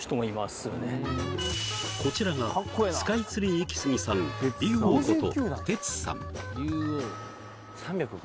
こちらがスカイツリーイキスギさん竜王こと